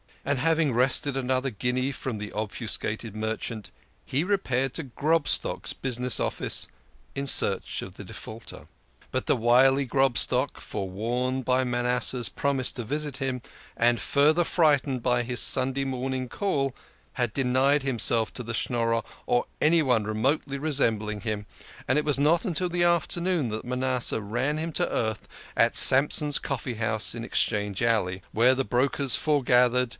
And, having wrested another guinea from the obfuscated merchant, he repaired to Grobstock's business office in search of the defaulter. But the wily Grobstock, forewarned by Manasseh's prom ise to visit him, and further frightened by his Sunday morning call, had denied himself to the Schnorrer or any one remotely resembling him, and it was not till the after noon that Manasseh ran him to earth at Sampson's coffee house in Exchange Alley, where the brokers foregathered, 150 THE KING OF SCHNORRERS.